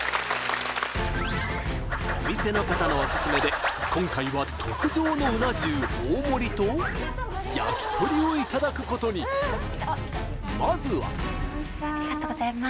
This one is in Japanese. お店の方のオススメで今回は特上のうな重大盛りと焼き鳥をいただくことにまずはありがとうございます